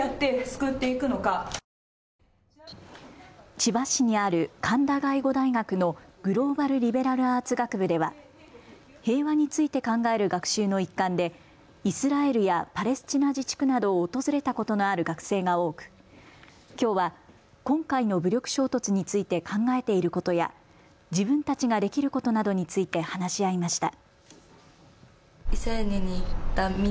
千葉市にある神田外語大学のグローバル・リベラルアーツ学部では平和について考える学習の一環でイスラエルやパレスチナ自治区などを訪れたことのある学生が多くきょうは今回の武力衝突について考えていることや自分たちができることなどについて話し合いました。